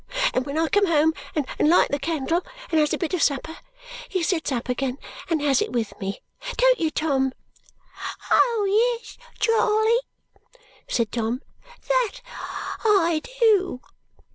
And when I come home and light the candle and has a bit of supper, he sits up again and has it with me. Don't you, Tom?" "Oh, yes, Charley!" said Tom. "That I do!"